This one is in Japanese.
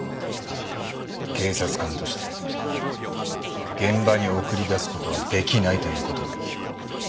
警察官として現場に送り出すことはできないということだ。